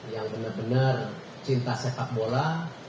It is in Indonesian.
yang benar benar cinta sepak bola